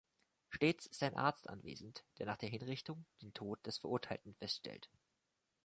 Stets ist ein Arzt anwesend, der nach der Hinrichtung den Tod des Verurteilten feststellt.